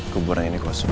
keburan ini kosong